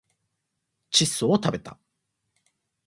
窒素をたべた